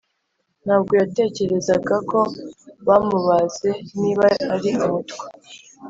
ntabwo yatekerezaga ko bamubaza niba ari Umutwa,